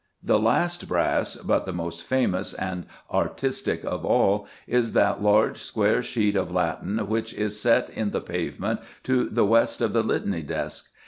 The last brass, but the most famous and artistic of all, is that large square sheet of latten which is set in the pavement to the west of the Litany desk.